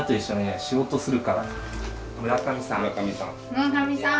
村上さん。